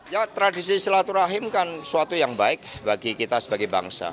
ya tradisi silaturahim kan suatu yang baik bagi kita sebagai bangsa